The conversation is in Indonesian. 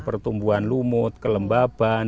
pertumbuhan lumut kelembaban